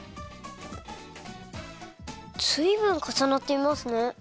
ずいぶんかさなっていますね。